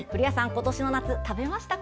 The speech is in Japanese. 今年の夏食べましたか？